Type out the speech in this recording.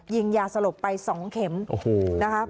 ยิงยาสลบไป๒เข็มนะครับ